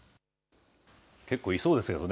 結構いそうですよね。